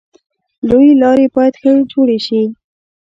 لویې لارې باید ښه جوړې شي.